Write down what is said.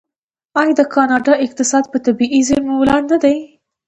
آیا د کاناډا اقتصاد په طبیعي زیرمو ولاړ نه دی؟